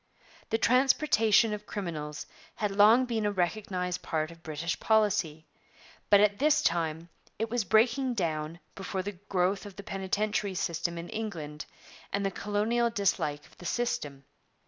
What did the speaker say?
The transportation of criminals had long been a recognized part of British policy, but at this time it was breaking down before the growth of the penitentiary system in England and the colonial dislike of the system.